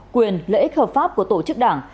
quyền lợi ích hợp pháp của tổ chức đảng